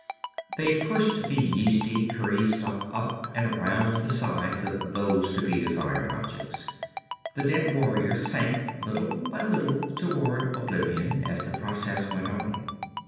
They pushed the yeasty, curdy stuff up and around the sides of those to be desired objects. The dead warriors sank little by little toward oblivion as the process went on.